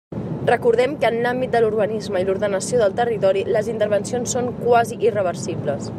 Recordem que en l'àmbit de l'urbanisme i l'ordenació del territori, les intervencions són quasi irreversibles.